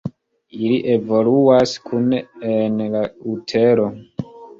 Ili evoluas kune en la utero.